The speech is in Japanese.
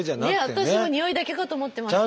私もにおいだけかと思ってました。